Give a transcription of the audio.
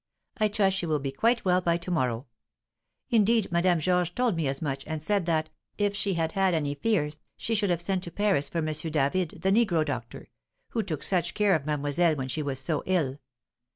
I trust she will be quite well by to morrow; indeed Madame Georges told me as much, and said that, if she had had any fears, she should have sent to Paris for M. David, the negro doctor, who took such care of mademoiselle when she was so ill.